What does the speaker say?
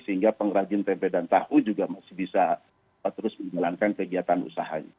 sehingga pengrajin tempe dan tahu juga masih bisa terus menjalankan kegiatan usahanya